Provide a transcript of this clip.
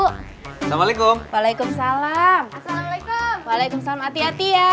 assalamualaikum waalaikumsalam assalamualaikum waalaikumsalam hati hati ya